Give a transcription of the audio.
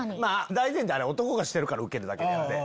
大前提男がしてるからウケるだけであって。